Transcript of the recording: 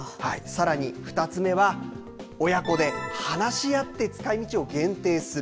さらに２つ目は、親子で話し合って使いみちを限定する。